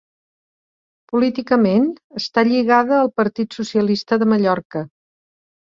Políticament està lligada al Partit Socialista de Mallorca.